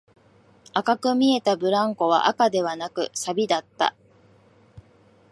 赤く見えたブランコは赤ではなく、錆だった